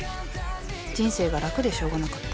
人生が楽でしょうがなかった。